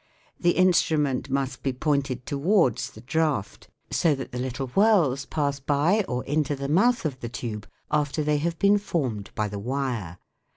The instru ment must be pointed towards the draught, so that the little whirls pass by or into the mouth of the tube after they have been formed by the wire.